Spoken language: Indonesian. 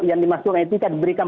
yang dimasukkan etika diberikan